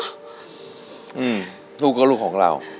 อืมลูกก็ลูกของเรา